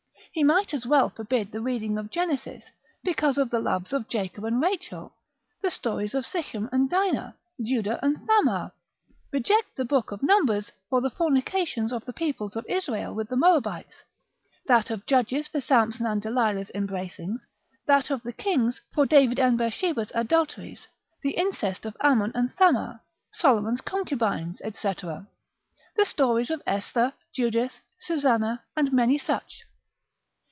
He might as well forbid the reading of Genesis, because of the loves of Jacob and Rachael, the stories of Sichem and Dinah, Judah and Thamar; reject the Book of Numbers, for the fornications of the people of Israel with the Moabites; that of Judges for Samson and Dalilah's embracings; that of the Kings, for David and Bersheba's adulteries, the incest of Ammon and Thamar, Solomon's concubines, &c. The stories of Esther, Judith, Susanna, and many such.